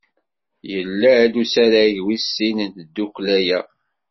Yella-d usarag wis sin n tdukkla-a.